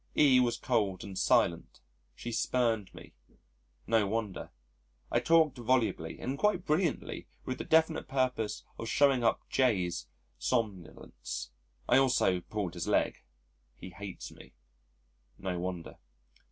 E was cold and silent. She spurned me. No wonder. I talked volubly and quite brilliantly with the definite purpose of showing up J 's somnolence. I also pulled his leg. He hates me. No wonder.